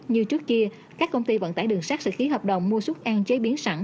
như trước kia các công ty vận tải đường sắt sẽ ký hợp đồng mua xuất ăn chế biến sẵn